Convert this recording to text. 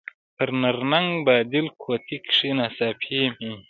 په نرنګ، باډېل کوټکي کښي ناڅي میني